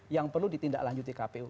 yang perlu ditindaklanjuti kpu